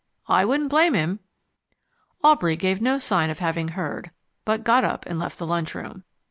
I wouldn't blame him " Aubrey gave no sign of having heard, but got up and left the lunchroom.